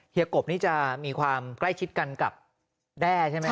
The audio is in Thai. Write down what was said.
ยกบนี่จะมีความใกล้ชิดกันกับแด้ใช่ไหม